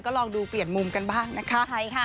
ลองดูเปลี่ยนมุมกันบ้างนะคะ